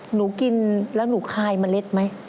หนูกินแล้วหนูคายเมล็ดไหม